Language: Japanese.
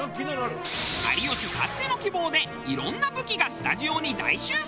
有吉たっての希望で色んな武器がスタジオに大集合。